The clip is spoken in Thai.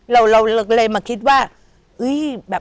เราก็เลยคิดว่า